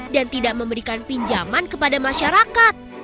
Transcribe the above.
dan tidak memberikan pinjaman kepada masyarakat